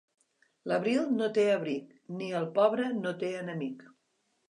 L'abril no té abric, ni el pobre no té enemic.